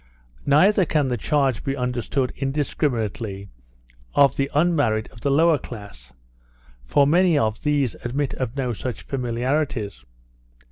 Neither can the charge be understood indiscriminately of the unmarried of the lower class, for many of these admit of no such familiarities.